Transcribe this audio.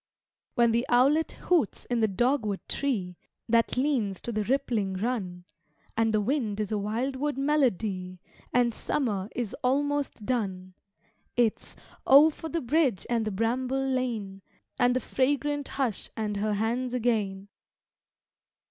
When the owlet hoots in the dogwood tree, That leans to the rippling Run, And the wind is a wildwood melody, And summer is almost done It's Oh, for the bridge and the bramble lane, And the fragrant hush and her hands again!